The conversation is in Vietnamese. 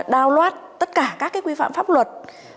đao loát tất cả các quy phạm pháp luật